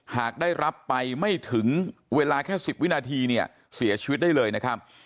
หากได้รับไปไม่ถึงเวลาแค่๑๐วินาทีเนี่ยเสียชีวิตได้เลยนะครับ